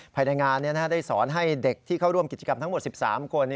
ภายในงานได้สอนให้เด็กที่เข้าร่วมกิจกรรมทั้งหมด๑๓คน